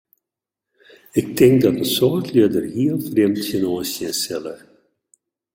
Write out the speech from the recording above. Ik tink dat in soad lju dêr heel frjemd tsjinoan sjen sille.